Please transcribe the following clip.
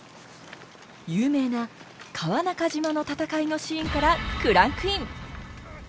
有名な川中島の戦いのシーンからクランクイン！